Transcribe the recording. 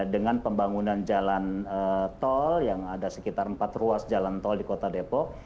dengan pembangunan jalan tol yang ada sekitar empat ruas jalan tol di kota depok